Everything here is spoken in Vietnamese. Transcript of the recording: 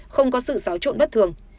không có sự giáo trộn bất thường